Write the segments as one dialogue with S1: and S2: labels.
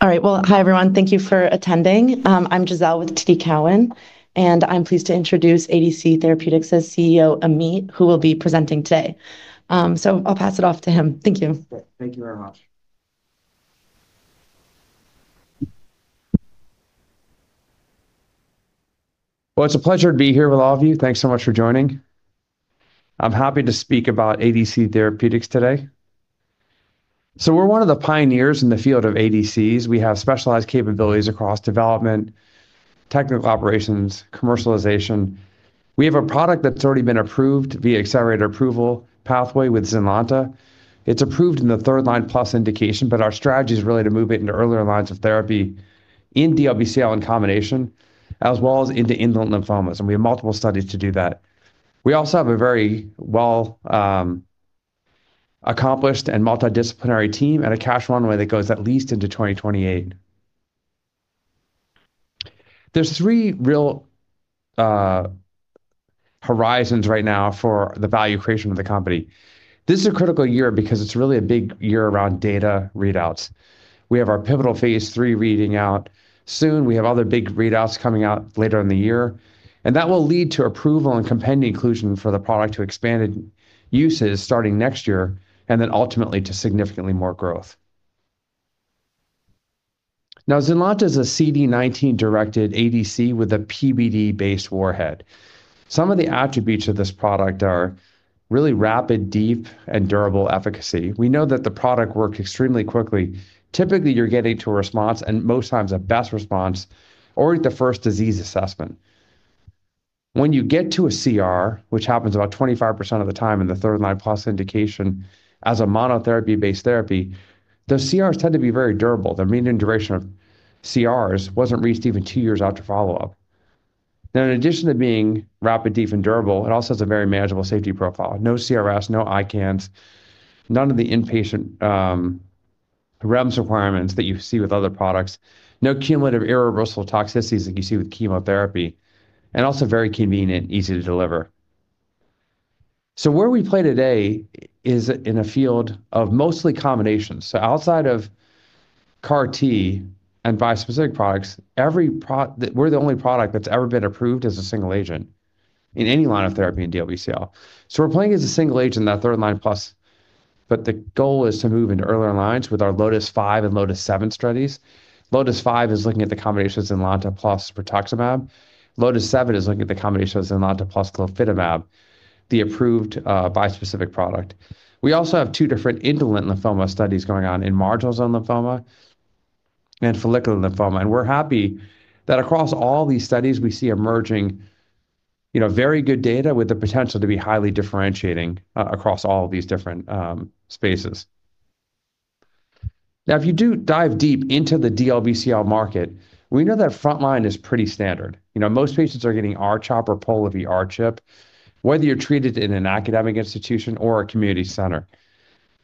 S1: All right. Well, hi, everyone. Thank you for attending. I'm Giselle with TD Cowen and I'm pleased to introduce ADC Therapeutics' CEO, Ameet, who will be presenting today. I'll pass it off to him. Thank you.
S2: Thank you very much. Well, it's a pleasure to be here with all of you. Thanks so much for joining. I'm happy to speak about ADC Therapeutics today. We're one of the pioneers in the field of ADCs. We have specialized capabilities across development, technical operations, commercialization. We have a product that's already been approved via accelerated approval pathway with ZYNLONTA. It's approved in the third-line plus indication, but our strategy is really to move it into earlier lines of therapy in DLBCL in combination, as well as into indolent lymphomas, and we have multiple studies to do that. We also have a very well accomplished and multidisciplinary team and a cash runway that goes at least into 2028. There's three real horizons right now for the value creation of the company. This is a critical year because it's really a big year around data readouts. We have our pivotal phase III reading out soon. We have other big readouts coming out later in the year. That will lead to approval and compendia inclusion for the product to expanded uses starting next year, ultimately to significantly more growth. Now, ZYNLONTA is a CD19-directed ADC with a PBD-based warhead. Some of the attributes of this product are really rapid, deep, and durable efficacy. We know that the product works extremely quickly. Typically, you're getting to a response, and most times a best response or the first disease assessment. When you get to a CR, which happens about 25% of the time in the third-line plus indication as a monotherapy-based therapy, those CRs tend to be very durable. The mean duration of CRs wasn't reached even two years after follow-up. In addition to being rapid, deep, and durable, it also has a very manageable safety profile. No CRS, no ICANS, none of the inpatient REMS requirements that you see with other products, no cumulative irreversible toxicities like you see with chemotherapy, also very convenient, easy to deliver. Where we play today is in a field of mostly combinations. Outside of CAR-T and bispecific products, we're the only product that's ever been approved as a single agent in any line of therapy in DLBCL. We're playing as a single agent in that third line plus, the goal is to move into earlier lines with our LOTIS-5 and LOTIS-7 studies. LOTIS-5 is looking at the combinations in lota plus pertuzumab. LOTIS-7 is looking at the combinations in lota plus glofitamab, the approved bispecific product. We also have two different indolent lymphoma studies going on in marginal zone lymphoma and follicular lymphoma, and we're happy that across all these studies, we see emerging, you know, very good data with the potential to be highly differentiating across all these different spaces. If you do dive deep into the DLBCL market, we know that frontline is pretty standard. You know, most patients are getting R-CHOP or Pola-R-CHP, whether you're treated in an academic institution or a community center.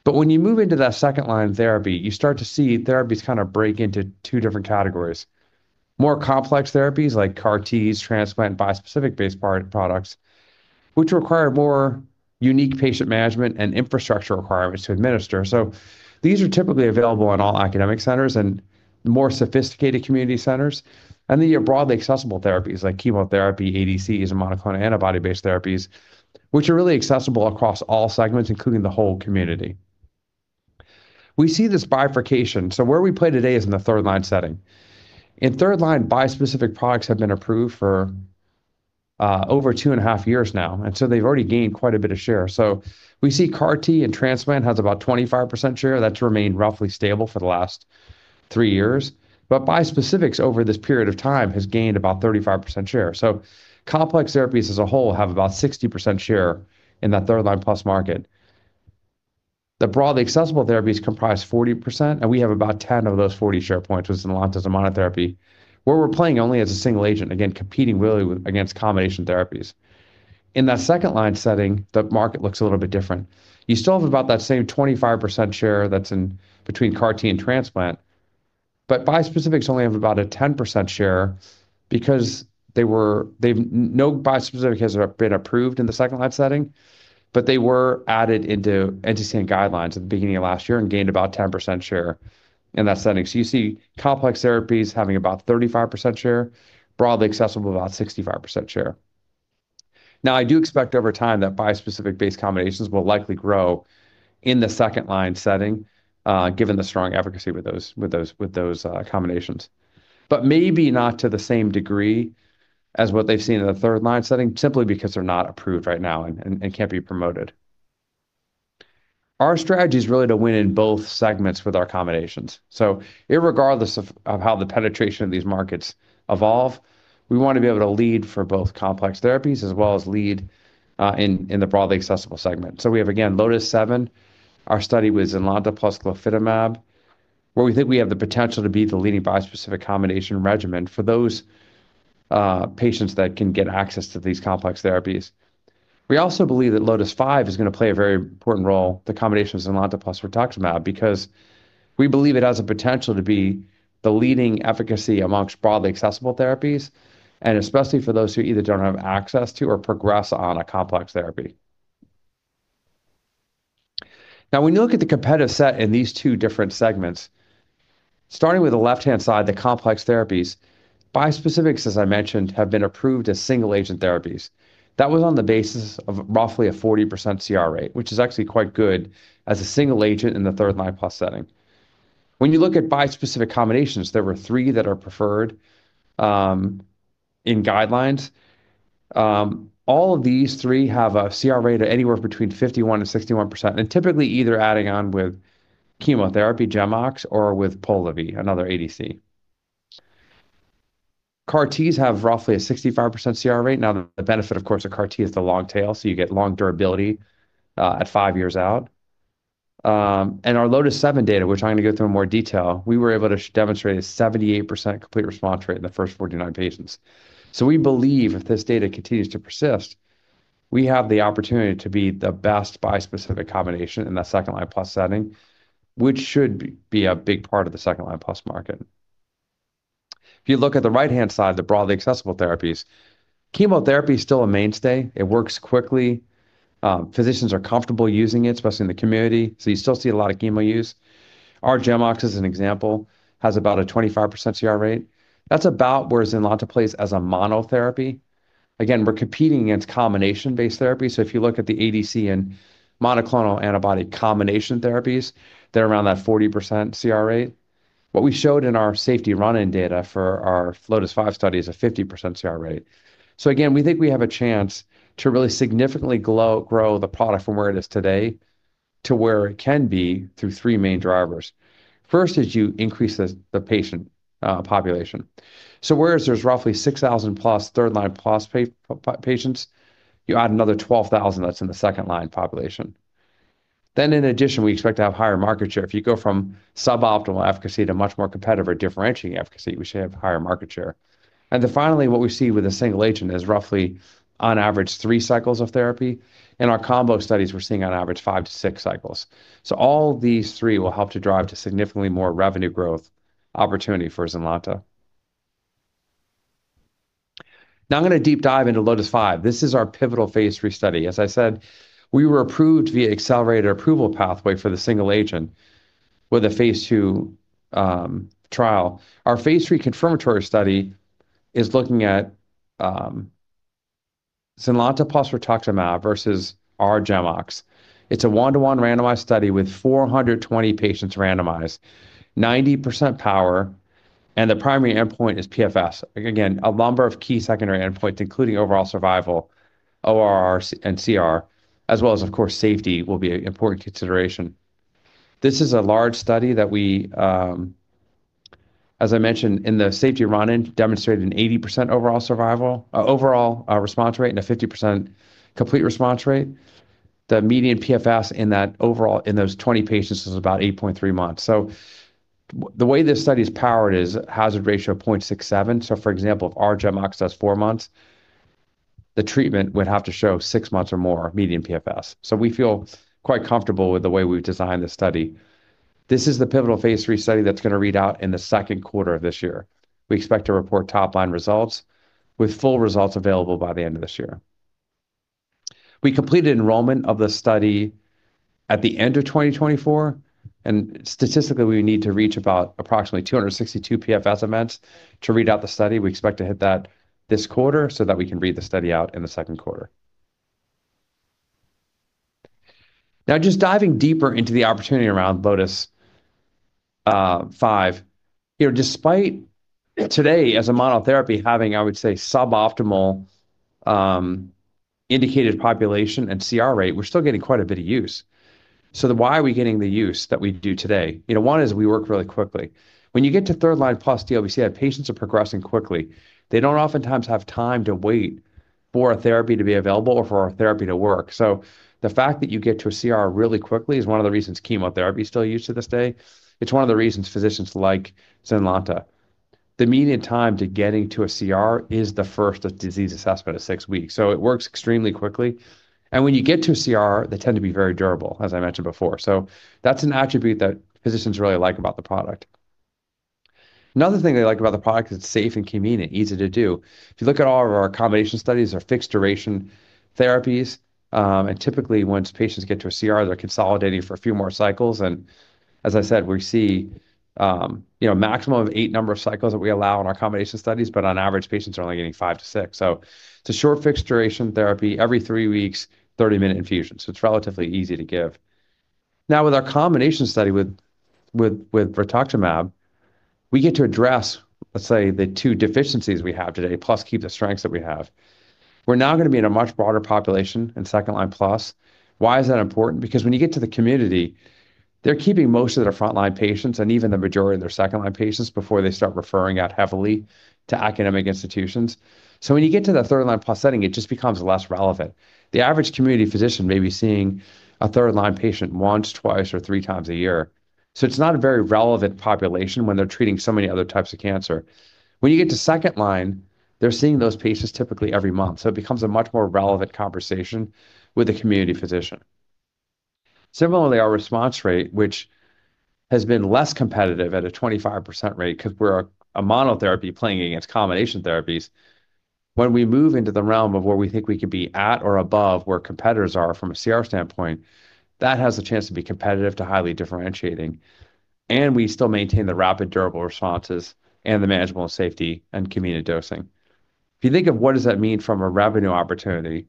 S2: When you move into that second line of therapy, you start to see therapies break into two different categories. More complex therapies like CAR-Ts, transplant, bispecific-based products, which require more unique patient management and infrastructure requirements to administer. These are typically available in all academic centers and more sophisticated community centers. Your broadly accessible therapies like chemotherapy, ADCs, and monoclonal antibody-based therapies, which are really accessible across all segments, including the whole community. We see this bifurcation, so where we play today is in the third-line setting. In third line, bispecific products have been approved for over 2.5 years now, and so they've already gained quite a bit of share. We see CAR-T and transplant has about 25% share. That's remained roughly stable for the last three years. Bispecifics over this period of time has gained about 35% share. Complex therapies as a whole have about 60% share in that third-line plus market. The broadly accessible therapies comprise 40%, and we have about 10 of those 40 share points, which is in ZYNLONTA as a monotherapy, where we're playing only as a single agent, again, competing really against combination therapies. In that second line setting, the market looks a little bit different. You still have about that same 25% share that's between CAR-T and transplant, but bispecifics only have about a 10% share because no bispecific has been approved in the second line setting, but they were added into NCCN guidelines at the beginning of last year and gained about 10% share in that setting. You see complex therapies having about 35% share, broadly accessible, about 65% share. I do expect over time that bispecific-based combinations will likely grow in the second line setting, given the strong efficacy with those combinations. Maybe not to the same degree as what they've seen in the third line setting, simply because they're not approved right now and can't be promoted. Our strategy is really to win in both segments with our combinations. Regardless of how the penetration of these markets evolve, we wanna be able to lead for both complex therapies as well as lead in the broadly accessible segment. We have, again, LOTIS-7. Our study was in ZYNLONTA plus glofitamab, where we think we have the potential to be the leading bispecific combination regimen for those patients that can get access to these complex therapies. We also believe that LOTIS-5 is gonna play a very important role, the combination of ZYNLONTA plus pertuzumab, because we believe it has the potential to be the leading efficacy amongst broadly accessible therapies, and especially for those who either don't have access to or progress on a complex therapy. Now, when you look at the competitive set in these two different segments, starting with the left-hand side, the complex therapies, bispecifics, as I mentioned, have been approved as single-agent therapies. That was on the basis of roughly a 40% CR rate, which is actually quite good as a single agent in the third-line plus setting. When you look at bispecific combinations, there were three that are preferred in guidelines. All of these three have a CR rate of anywhere between 51% and 61%, and typically either adding on with chemotherapy, GemOx, or with POLIVY, another ADC. CAR-Ts have roughly a 65% CR rate. Now, the benefit, of course, of CAR-T is the long tail, so you get long durability at 5 years out. Our LOTIS-7 data, which I'm gonna go through in more detail, we were able to demonstrate a 78% complete response rate in the first 49 patients. We believe if this data continues to persist, we have the opportunity to be the best bispecific combination in that second-line plus setting, which should be a big part of the second-line plus market. If you look at the right-hand side, the broadly accessible therapies, chemotherapy is still a mainstay. It works quickly. Physicians are comfortable using it, especially in the community, so you still see a lot of chemo use. Our GemOx, as an example, has about a 25% CR rate. That's about where ZYNLONTA plays as a monotherapy. Again, we're competing against combination-based therapies, so if you look at the ADC and monoclonal antibody combination therapies, they're around that 40% CR rate. What we showed in our safety run-in data for our LOTIS-5 study is a 50% CR rate. Again, we think we have a chance to really significantly grow the product from where it is today to where it can be through three main drivers. First is you increase the patient population. Whereas there's roughly 6,000+ third line plus patients, you add another 12,000 that's in the second line population. In addition, we expect to have higher market share. If you go from suboptimal efficacy to much more competitive or differentiating efficacy, we should have higher market share. Finally, what we see with a single agent is roughly on average 3 cycles of therapy. In our combo studies, we're seeing on average 5-6 cycles. All these 3 will help to drive to significantly more revenue growth opportunity for ZYNLONTA. I'm gonna deep dive into LOTIS-5. This is our pivotal phase III study. As I said, we were approved via accelerated approval pathway for the single agent with a phase II trial. Our phase III confirmatory study is looking at ZYNLONTA plus rituximab versus R-GemOx. It's a 1-to-1 randomized study with 420 patients randomized, 90% power, and the primary endpoint is PFS. Again, a number of key secondary endpoints, including overall survival, ORR, and CR, as well as, of course, safety will be an important consideration. This is a large study that we, as I mentioned, in the safety run-in demonstrated an 80% overall survival overall response rate and a 50% complete response rate. The median PFS in that overall in those 20 patients is about 8.3 months. The way this study is powered is hazard ratio of 0.67. For example, if R-GemOx does four months, the treatment would have to show six months or more median PFS. We feel quite comfortable with the way we've designed the study. This is the pivotal phase III study that's gonna read out in the second quarter of this year. We expect to report top-line results with full results available by the end of this year. We completed enrollment of the study at the end of 2024, statistically, we need to reach about approximately 262 PFS events to read out the study. We expect to hit that this quarter so that we can read the study out in the second quarter. Just diving deeper into the opportunity around LOTIS-5. You know, despite today as a monotherapy having, I would say, suboptimal, indicated population and CR rate, we're still getting quite a bit of use. Why are we getting the use that we do today? You know, one is we work really quickly. When you get to third line plus DLBCL, our patients are progressing quickly. They don't oftentimes have time to wait for a therapy to be available or for our therapy to work. The fact that you get to a CR really quickly is one of the reasons chemotherapy is still used to this day. It's one of the reasons physicians like ZYNLONTA. The median time to getting to a CR is the first disease assessment at six weeks. It works extremely quickly, and when you get to a CR, they tend to be very durable, as I mentioned before. That's an attribute that physicians really like about the product. Another thing they like about the product is it's safe and convenient, easy to do. If you look at all of our combination studies, they're fixed duration therapies, and typically once patients get to a CR, they're consolidating for a few more cycles. As I said, we see, you know, a maximum of 8 number of cycles that we allow in our combination studies, but on average, patients are only getting 5-6. It's a short fixed duration therapy every three weeks, 30-minute infusion, so it's relatively easy to give. With our combination study with rituximab, we get to address, let's say, the two deficiencies we have today, plus keep the strengths that we have. We're now gonna be in a much broader population in second-line plus. Why is that important? When you get to the community, they're keeping most of their frontline patients and even the majority of their second-line patients before they start referring out heavily to academic institutions. When you get to the third-line plus setting, it just becomes less relevant. The average community physician may be seeing a third-line patient once, twice, or three times a year. It's not a very relevant population when they're treating so many other types of cancer. When you get to second line, they're seeing those patients typically every month, it becomes a much more relevant conversation with the community physician. Similarly, our response rate, which has been less competitive at a 25% rate 'cause we're a monotherapy playing against combination therapies when we move into the realm of where we think we could be at or above where competitors are from a CR standpoint that has the chance to be competitive to highly differentiating, and we still maintain the rapid durable responses and the manageable safety and convenient dosing. If you think of what does that mean from a revenue opportunity,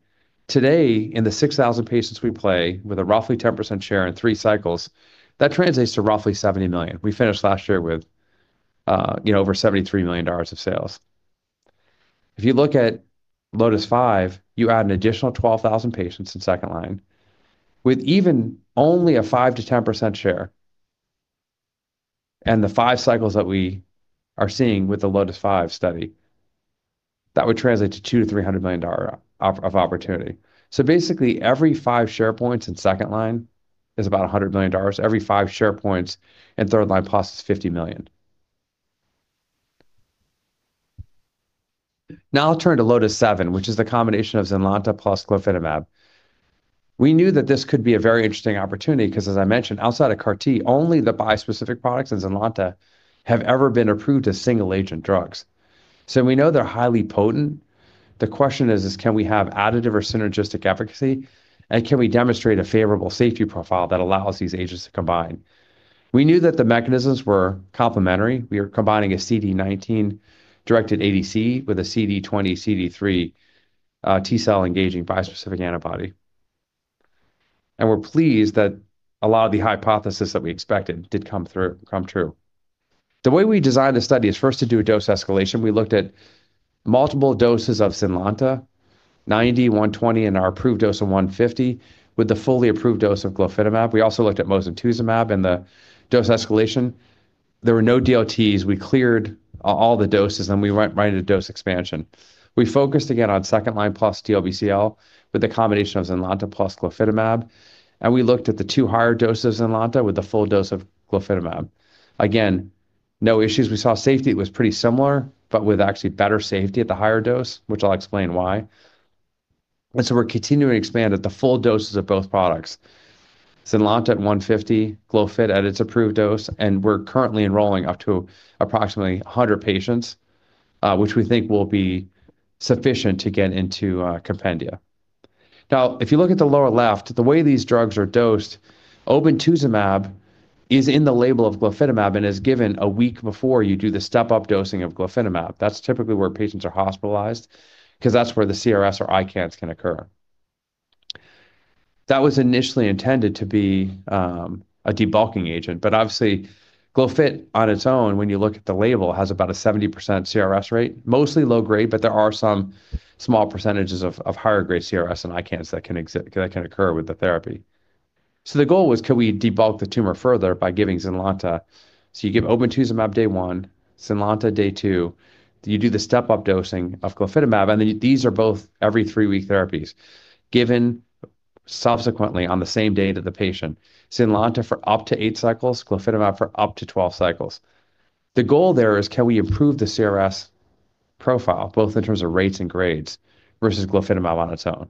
S2: today in the 6,000 patients we play with a roughly 10% share in three cycles, that translates to roughly $70 million. We finished last year with, you know, over $73 million of sales. If you look at LOTIS-5, you add an additional 12,000 patients in second line with even only a 5%-10% share and the five cycles that we are seeing with the LOTIS-5 study, that would translate to $200 million-$300 million of opportunity. Basically every five share points in second line is about $100 million. Every five share points in third line plus is $50 million. Now I'll turn to LOTIS-7, which is the combination of ZYNLONTA plus glofitamab. We knew that this could be a very interesting opportunity 'cause as I mentioned, outside of CAR-T, only the bispecific products and ZYNLONTA have ever been approved as single agent drugs. We know they're highly potent. The question is, can we have additive or synergistic efficacy and can we demonstrate a favorable safety profile that allows these agents to combine? We knew that the mechanisms were complementary. We were combining a CD19-directed ADC with a CD20/CD3 T-cell engaging bispecific antibody. We're pleased that a lot of the hypothesis that we expected did come through, come true. The way we designed the study is first to do a dose escalation. We looked at multiple doses of ZYNLONTA, 90, 120 and our approved dose of 150 with the fully approved dose of glofitamab. We also looked at mosunetuzumab in the dose escalation. There were no DLTs. We cleared all the doses and we went right into dose expansion. We focused again on second-line plus DLBCL with the combination of ZYNLONTA plus glofitamab, we looked at the two higher doses of ZYNLONTA with the full dose of glofitamab. Again, no issues. We saw safety. It was pretty similar, with actually better safety at the higher dose, which I'll explain why. We're continuing to expand at the full doses of both products, ZYNLONTA at 150, glofitamab at its approved dose, and we're currently enrolling up to approximately 100 patients, which we think will be sufficient to get into compendia. Now, if you look at the lower left, the way these drugs are dosed, obinutuzumab is in the label of glofitamab and is given a week before you do the step-up dosing of glofitamab. That's typically where patients are hospitalized 'cause that's where the CRS or ICANS can occur. That was initially intended to be a debulking agent, but obviously glofitamab on its own when you look at the label has about a 70% CRS rate, mostly low-grade, but there are some small percentages of higher grade CRS and ICANS that can occur with the therapy. The goal was could we debulk the tumor further by giving ZYNLONTA? You give obinutuzumab day one, ZYNLONTA day two, you do the step-up dosing of glofitamab, and these are both every three-week therapies given subsequently on the same day to the patient. ZYNLONTA for up to eight cycles, glofitamab for up to 12 cycles. The goal there is can we improve the CRS profile both in terms of rates and grades versus glofitamab on its own.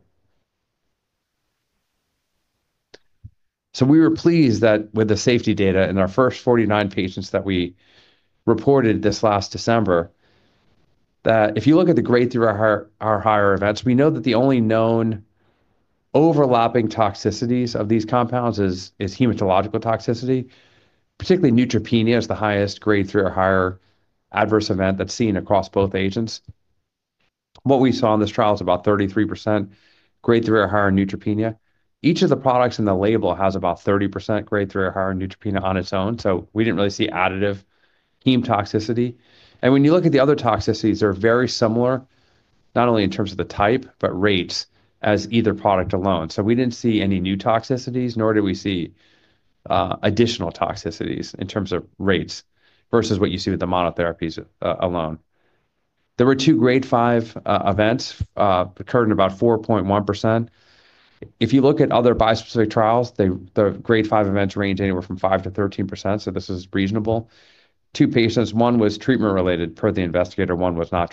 S2: We were pleased that with the safety data in our first 49 patients that we reported this last December, that if you look at the grade three or higher events, we know that the only known overlapping toxicities of these compounds is hematological toxicity. Particularly neutropenia is the highest grade three or higher adverse event that's seen across both agents. What we saw in this trial is about 33% grade three or higher neutropenia. Each of the products in the label has about 30% grade three or higher neutropenia on its own, so we didn't really see additive heme toxicity. When you look at the other toxicities, they're very similar, not only in terms of the type, but rates as either product alone. We didn't see any new toxicities, nor did we see additional toxicities in terms of rates versus what you see with the monotherapies alone. There were two grade five events occurred in about 4.1%. You look at other bispecific trials, they, the grade five events range anywhere from 5%-13%, so this is reasonable. two patients, one was treatment-related per the investigator, one was not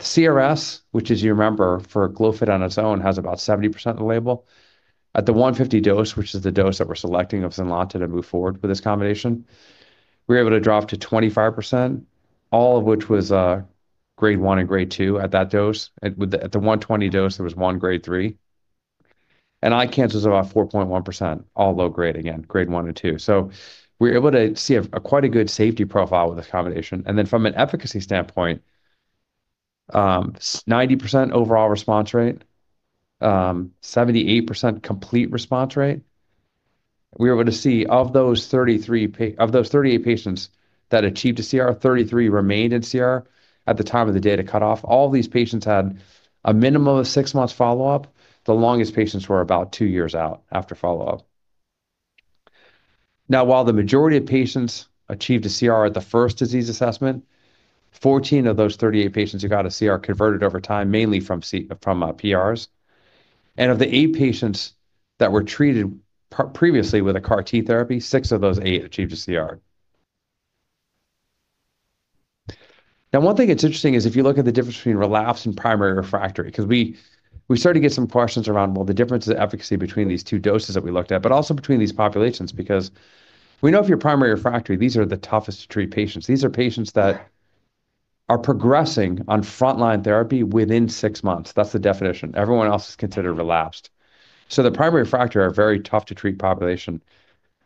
S2: treatment-related. CRS, which as you remember for Glofit on its own has about 70% of the label. At the 150 dose, which is the dose that we're selecting of ZYNLONTA to move forward with this combination, we were able to drop to 25%, all of which was grade one and grade two at that dose. At the 120 dose, there was one grade three. ICANS was about 4.1%, all low-grade again, grade one and two. We're able to see a quite a good safety profile with this combination. From an efficacy standpoint, 90% overall response rate, 78% complete response rate. We were able to see of those 38 patients that achieved a CR, 33 remained in CR at the time of the data cut off. All these patients had a minimum of six months follow-up. The longest patients were about two years out after follow-up. Now, while the majority of patients achieved a CR at the first disease assessment, 14 of those 38 patients who got a CR converted over time, mainly from from PRs. Of the eight patients that were treated previously with a CAR-T therapy, six of those eight achieved a CR. Now, one thing that's interesting is if you look at the difference between relapse and primary refractory, because we started to get some questions around, well, the difference in efficacy between these two doses that we looked at, but also between these populations because we know if you're primary refractory, these are the toughest to treat patients. These are patients that are progressing on frontline therapy within six months. That's the definition. Everyone else is considered relapsed. The primary refractory are very tough to treat population.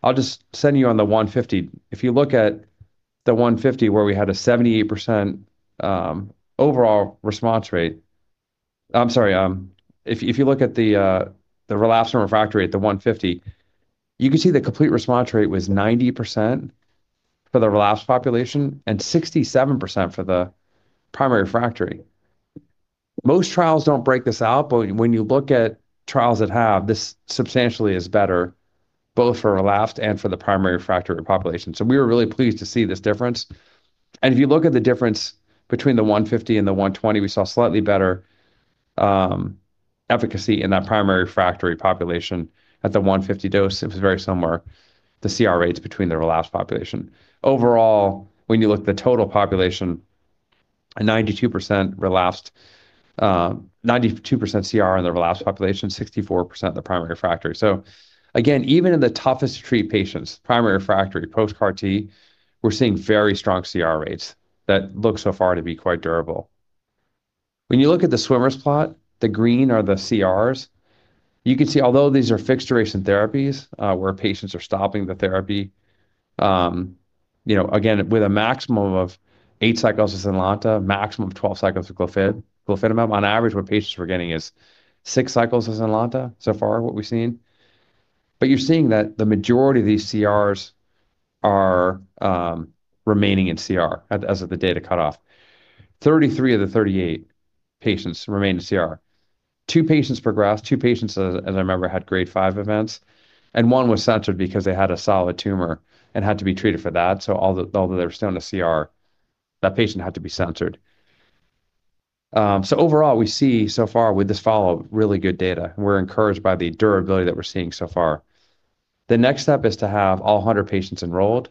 S2: I'll just send you on the 150. If you look at the 150 where we had a 78% overall response rate... I'm sorry, if you look at the relapsed refractory at the 150, you can see the complete response rate was 90% for the relapsed population and 67% for the primary refractory. Most trials don't break this out, but when you look at trials that have, this substantially is better both for relapsed and for the primary refractory population. We were really pleased to see this difference. If you look at the difference between the 150 and the 120, we saw slightly better efficacy in that primary refractory population. At the 150 dose, it was very similar, the CR rates between the relapsed population. Overall, when you look at the total population, 92% relapsed, 92% CR in the relapsed population, 64% in the primary refractory. Again, even in the toughest to treat patients, primary refractory post-CAR T, we're seeing very strong CR rates that look so far to be quite durable. When you look at the swimmer's plot, the green are the CRs. You can see, although these are fixed-duration therapies, where patients are stopping the therapy, you know, again, with a maximum of eight cycles of ZYNLONTA, maximum of 12 cycles of glofitamab, on average, what patients were getting is six cycles of ZYNLONTA so far, what we've seen. You're seeing that the majority of these CRs are remaining in CR as of the data cutoff. 33 of the 38 patients remained in CR. Two patients progressed. Two patients, as I remember, had grade five events, and one was censored because they had a solid tumor and had to be treated for that. Although they were still in the CR, that patient had to be censored. Overall, we see so far with this follow-up really good data. We're encouraged by the durability that we're seeing so far. The next step is to have all 100 patients enrolled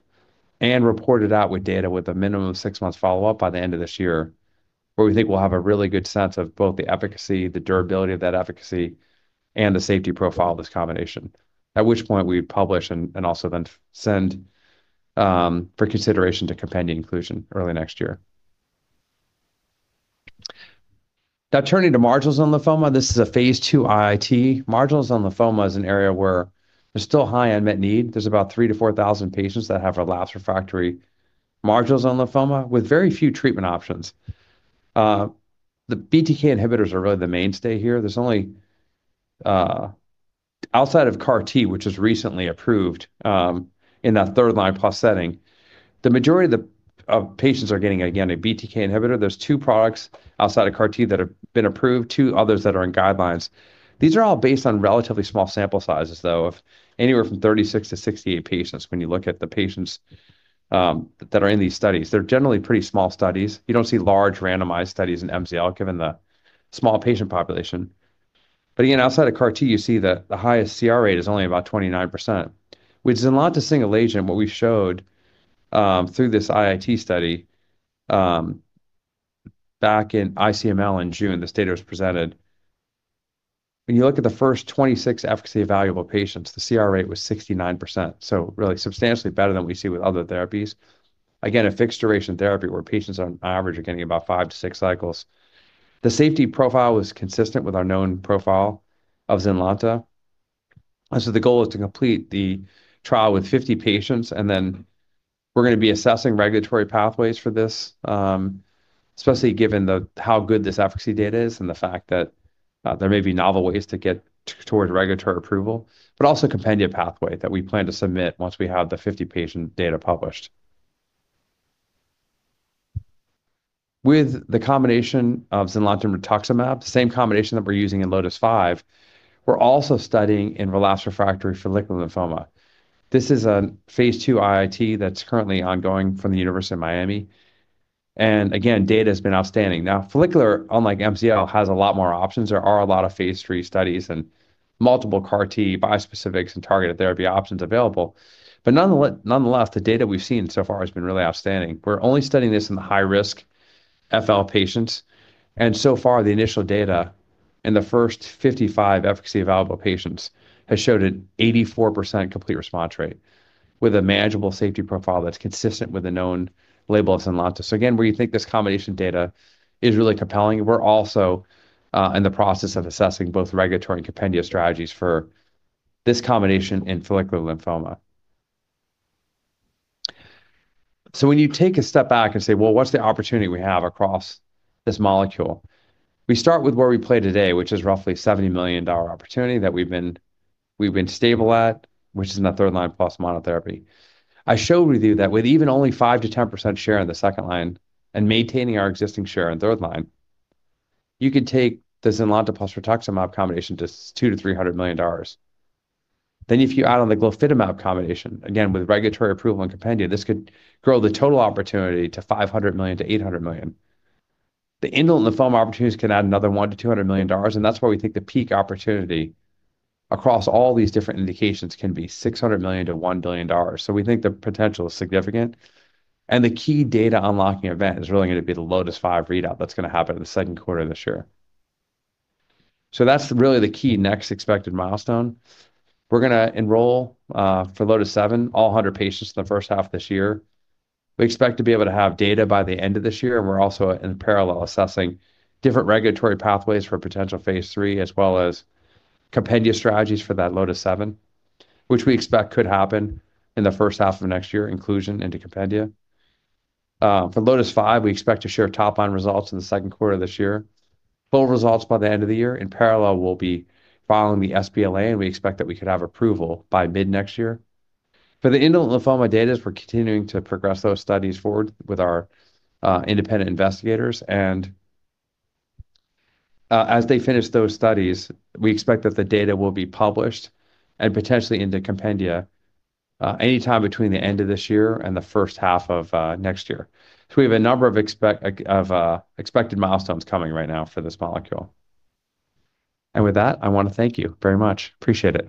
S2: and reported out with data with a minimum of six months follow-up by the end of this year, where we think we'll have a really good sense of both the efficacy, the durability of that efficacy, and the safety profile of this combination. At which point, we'd publish and also then send for consideration to compendia inclusion early next year. Turning to marginal zone lymphoma. This is a Phase II-IIT. Marginal zone lymphoma is an area where there's still high unmet need. There's about 3,000-4,000 patients that have relapsed refractory marginal zone lymphoma with very few treatment options. The BTK inhibitors are really the mainstay here. There's only outside of CAR-T, which was recently approved in that third-line plus setting, the majority of patients are getting, again, a BTK inhibitor. There's two products outside of CAR-T that have been approved, two others that are in guidelines. These are all based on relatively small sample sizes, though, of anywhere from 36-68 patients when you look at the patients that are in these studies. They're generally pretty small studies. You don't see large randomized studies in MCL, given the small patient population. Again, outside of CAR-T, you see the highest CR rate is only about 29%. With ZYNLONTA single agent, what we showed, through this IIT study, back in ICML in June, this data was presented. When you look at the first 26 efficacy-evaluable patients, the CR rate was 69%, so really substantially better than what we see with other therapies. Again, a fixed-duration therapy where patients on average are getting about 5-6 cycles. The safety profile was consistent with our known profile of ZYNLONTA. The goal is to complete the trial with 50 patients, then we're gonna be assessing regulatory pathways for this, especially given the how good this efficacy data is and the fact that there may be novel ways to get towards regulatory approval, but also a compendia pathway that we plan to submit once we have the 50-patient data published. With the combination of ZYNLONTA rituximab, the same combination that we're using in LOTIS-5, we're also studying in relapsed refractory follicular lymphoma. This is a phase II-IIT that's currently ongoing from the University of Miami, and again, data has been outstanding. Follicular, unlike MCL, has a lot more options. There are a lot of phase III studies and multiple CAR-T bispecifics and targeted therapy options available. Nonetheless, the data we've seen so far has been really outstanding. We're only studying this in the high-risk FL patients, and so far, the initial data in the first 55 efficacy-evaluable patients has showed an 84% complete response rate with a manageable safety profile that's consistent with the known label of ZYNLONTA. Again, we think this combination data is really compelling. We're also in the process of assessing both regulatory and compendia strategies for this combination in follicular lymphoma. When you take a step back and say, "Well, what's the opportunity we have across this molecule?" We start with where we play today, which is roughly a $70 million opportunity that we've been stable at, which is in the third-line plus monotherapy. I showed with you that with even only 5%-10% share in the second line and maintaining our existing share in third line, you could take the ZYNLONTA plus rituximab combination to $200 million-$300 million. If you add on the glofitamab combination, again with regulatory approval and compendia, this could grow the total opportunity to $500 million-$800 million. The indolent lymphoma opportunities can add another $100 million-$200 million, and that's where we think the peak opportunity across all these different indications can be $600 million-$1 billion. We think the potential is significant, and the key data unlocking event is really gonna be the LOTIS-5 readout that's gonna happen in the second quarter of this year. That's really the key next expected milestone. We're gonna enroll for LOTIS-7 all 100 patients in the first half of this year. We expect to be able to have data by the end of this year, and we're also in parallel assessing different regulatory pathways for potential phase III as well as compendia strategies for that LOTIS-7, which we expect could happen in the first half of next year, inclusion into compendia. For LOTIS-5, we expect to share top-line results in the second quarter of this year, full results by the end of the year. In parallel, we'll be following the sBLA, and we expect that we could have approval by mid-next year. For the indolent lymphoma data, we're continuing to progress those studies forward with our independent investigators, and as they finish those studies, we expect that the data will be published and potentially into compendia anytime between the end of this year and the first half of next year. We have a number of expected milestones coming right now for this molecule. With that, I wanna thank you very much. Appreciate it.